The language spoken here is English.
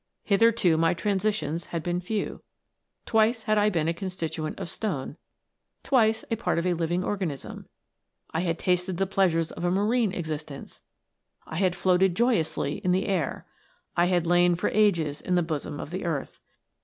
Hitherto my transitions had been few. Twice had I been a constituent of stone ; twice, a part of a living organism ; I had tasted the pleasures of a marine existence ; I had floated joyously in the air ; I had lain for ages in the bosom of the earth.